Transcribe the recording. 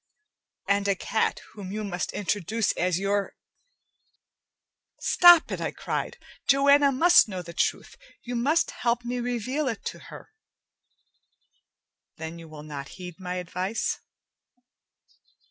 And a cat whom you must introduce as your " "Stop it!" I cried. "Joanna must know the truth. You must help me reveal it to her." "Then you will not heed my advice?"